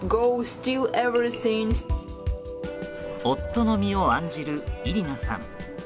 夫の身を案じるイリナさん。